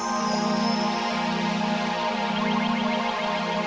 aku juga ngerasa deket ya sama bayi ini mas